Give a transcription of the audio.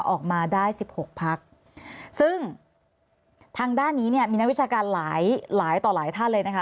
ออกมาได้สิบหกพักซึ่งทางด้านนี้เนี่ยมีนักวิชาการหลายหลายต่อหลายท่านเลยนะคะ